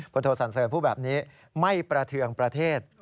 พอโทษสั่งเซินผู้แบบนี้ไม่ประเทืองประเทศ